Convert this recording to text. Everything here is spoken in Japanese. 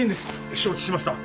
承知しました！